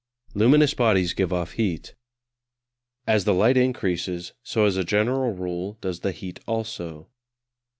Luminous bodies give off heat. As the light increases, so as a general rule does the heat also.